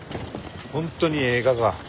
本当にえいがか？